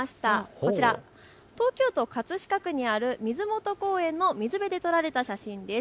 こちら東京都葛飾区にある水元公園の水辺で撮られた写真です。